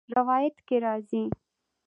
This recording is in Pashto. روايت کي راځي :